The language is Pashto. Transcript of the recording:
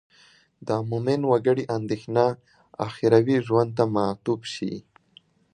د مومن وګړي اندېښنه اخروي ژوند ته معطوف شي.